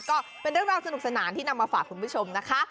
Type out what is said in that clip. ก็เป็นเรื่องราวสนุกสนานที่นำมาฝากคุณผู้ชมนะคะ